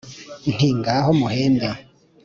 Nti: ngaho muhembe